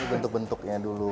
ini bentuk bentuknya dulu